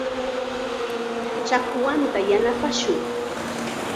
Chakwanta yanapashun.